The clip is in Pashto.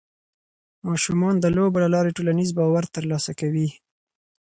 ماشومان د لوبو له لارې ټولنیز باور ترلاسه کوي.